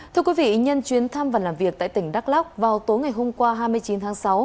thưa quý vị nhân chuyến thăm và làm việc tại tỉnh đắk lóc vào tối ngày hôm qua hai mươi chín tháng sáu